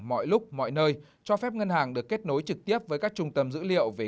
mọi lúc mọi nơi cho phép ngân hàng được kết nối trực tiếp với các trung tâm dữ liệu về